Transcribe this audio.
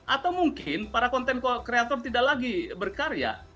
atau mungkin para content creator tidak lagi berkarya